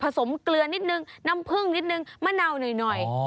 สมเกลือนิดนึงน้ำผึ้งนิดนึงมะนาวหน่อย